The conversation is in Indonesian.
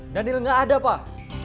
daniel gak ada pak